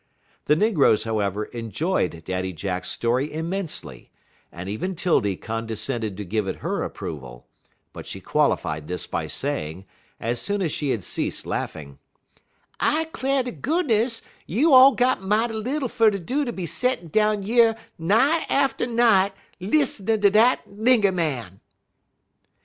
The negroes, however, enjoyed Daddy Jack's story immensely, and even 'Tildy condescended to give it her approval; but she qualified this by saying, as soon as she had ceased laughing: "I 'clar' ter goodness you all got mighty little ter do fer ter be settin' down yer night atter night lis'nin' at dat nigger man."